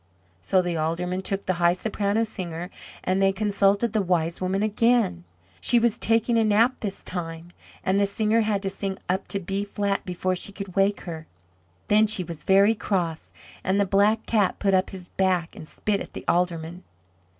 So the Aldermen took the high Soprano Singer, and they consulted the Wise Woman again. She was taking a nap this time, and the Singer had to sing up to B flat before she could wake her. Then she was very cross and the Black Cat put up his back and spit at the Aldermen.